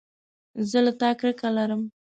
زه له تا کرکه لرم